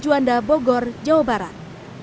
juanda bogor jawa barat